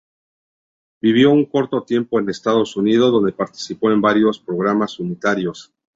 Vivió un corto tiempo en Estados Unidos donde participó en varios programas unitarios.